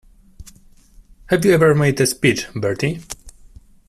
Have you ever made a speech, Bertie?